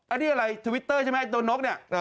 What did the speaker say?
อันนี้อะไรทวิตเตอร์ใช่ไหมไอโดนนกเนี่ย